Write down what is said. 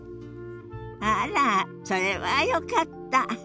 あらそれはよかった。